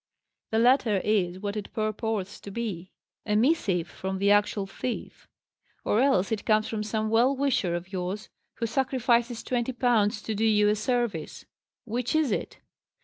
"This letter is what it purports to be: a missive from the actual thief; or else it comes from some well wisher of yours, who sacrifices twenty pounds to do you a service. Which is it?"